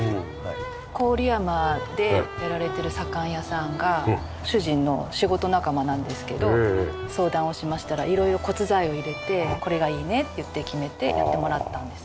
郡山でやられてる左官屋さんが主人の仕事仲間なんですけど相談をしましたら色々骨材を入れて「これがいいね」って言って決めてやってもらったんです。